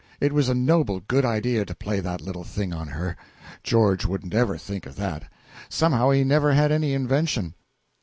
It was a noble good idea to play that little thing on her. George wouldn't ever think of that somehow he never had any invention.